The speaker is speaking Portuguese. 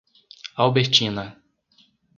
Albertina